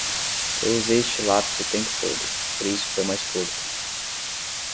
Eu usei este lápis o tempo todo, por isso foi mais curto.